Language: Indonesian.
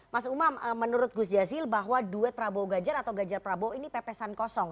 mas umam menurut gus jazil bahwa duet prabowo ganjar atau ganjar prabowo ini pepesan kosong